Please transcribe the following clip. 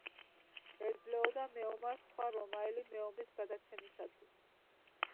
ეძლეოდა მეომარს სხვა რომაელი მეომრის გადარჩენისთვის.